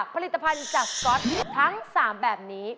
ผลิตภัณฑ์จากก๊อตฮิตทั้ง๓แบบนี้